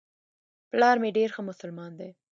پلار مي ډېر ښه مسلمان دی .